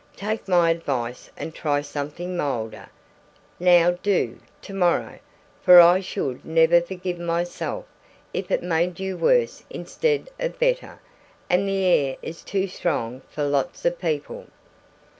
Take my advice and try something milder; now do, to morrow; for I should never forgive myself if it made you worse instead of better; and the air is too strong for lots of people."